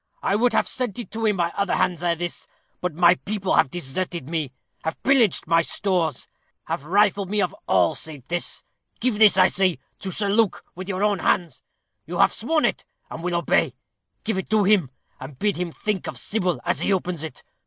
I would have sent it to him by other hands ere this, but my people have deserted me have pillaged my stores have rifled me of all save this. Give this, I say, to Sir Luke, with your own hands. You have sworn it, and will obey. Give it to him, and bid him think of Sybil as he opens it.